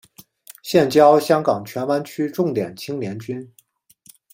现教香港荃湾区重点青年军。